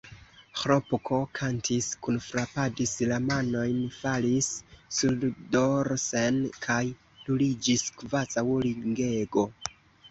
Ĥlopko kantis, kunfrapadis la manojn, falis surdorsen kaj ruliĝis kvazaŭ ringego.